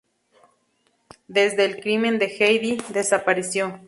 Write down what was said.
Desde el crimen de Heidi, desapareció.